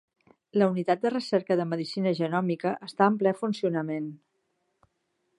La unitat de recerca de medicina genòmica està en ple funcionament